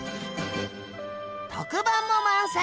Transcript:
特番も満載！